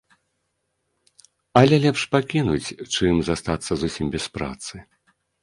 Але лепш пакінуць, чым застацца зусім без працы.